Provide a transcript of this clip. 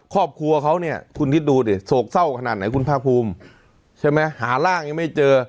ครอบครัวเขาเนี่ยคุณคิดดูดิโศกเศร้าขนาดไหนคุณภาคภูมิใช่ไหมหาร่างยังไม่เจอ